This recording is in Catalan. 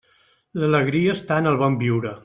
L'alegria està en el bon viure.